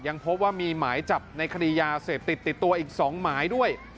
พบว่ามีหมายจับในคดียาเสพติดติดตัวอีก๒หมายด้วย